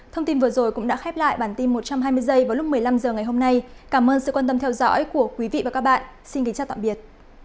thông tin vừa rồi cũng đã khép lại bản tin một trăm hai mươi h vào lúc một mươi năm h ngày hôm nay cảm ơn sự quan tâm theo dõi của quý vị và các bạn xin kính chào tạm biệt